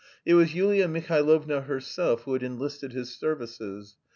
It was Yulia Mihailovna herself who had enlisted his services.